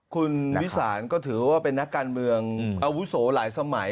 คุณวิสานก็ถือว่าเป็นนักการเมืองอาวุโสหลายสมัย